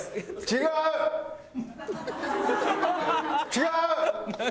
違う！